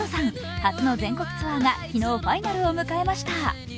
初の全国ツアーが昨日ファイナルを迎えました。